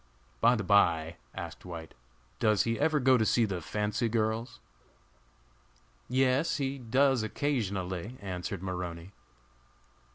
"By the by," asked White, "does he ever go to see the fancy girls?" "Yes, he does, occasionally," answered Maroney.